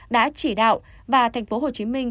đã chỉ đạo và thành phố hồ chí minh